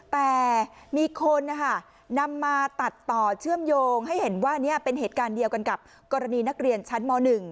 แต่มีคนนำมาตัดต่อเชื่อมโยงให้เห็นว่าเป็นเหตุการณ์เดียวกันกับกรณีนักเรียนชั้นม๑